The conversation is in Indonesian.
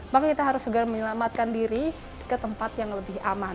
maka kita harus segera menyelamatkan diri ke tempat yang lebih aman